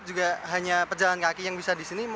juga hanya pejalan kaki yang bisa ditutup